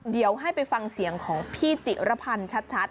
เดี๋ยวให้ไปฟังเสียงของพี่จิรพันธ์ชัด